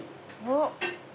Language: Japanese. あっ。